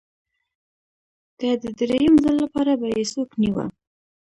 که د درېیم ځل لپاره به یې څوک نیوه